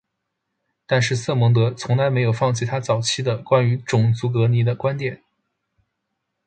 但是瑟蒙德从来没有放弃他早期的关于种族隔离的观点。